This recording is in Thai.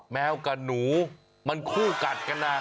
แมวกับหนูมันคู่กัดกันนะ